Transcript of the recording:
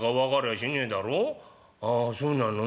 「ああそうなの。